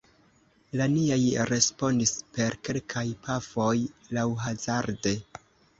La niaj respondis per kelkaj pafoj, laŭhazarde.